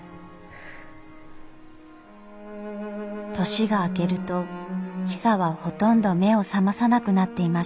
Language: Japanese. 年が明けるとヒサはほとんど目を覚まさなくなっていました。